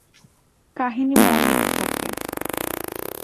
কাহিনী মোড় নিতে থাকে।